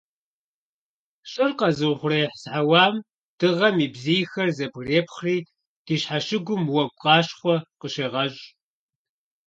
Щӏыр къэзыухъуреихь хьэуам Дыгъэм и бзийхэр зэбгрепхъри ди щхьэщыгум уэгу къащхъуэ къыщегъэщӏ.